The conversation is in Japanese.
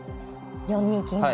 ４二金が。